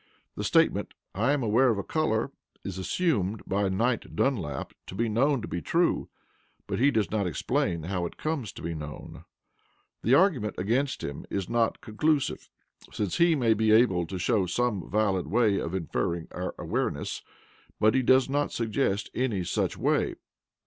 The statement "I am aware of a colour" is assumed by Knight Dunlap to be known to be true, but he does not explain how it comes to be known. The argument against him is not conclusive, since he may be able to show some valid way of inferring our awareness. But he does not suggest any such way.